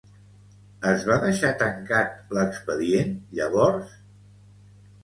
Es va deixar tancat l'expedient, llavors?